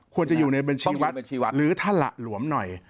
ควรจะอยู่ในบัญชีวัดหรือถ้าหละหลวมหน่อย